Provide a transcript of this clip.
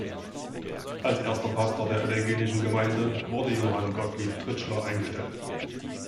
Als erster Pastor der evangelischen Gemeinde wurde Johann Gottlieb Tritschler eingestellt.